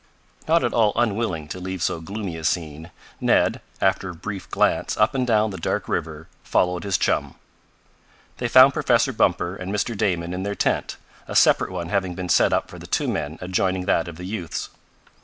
Not at all unwilling to leave so gloomy a scene, Ned, after a brief glance up and down the dark river, followed his chum. They found Professor Bumper and Mr. Damon in their tent, a separate one having been set up for the two men adjoining that of the youths.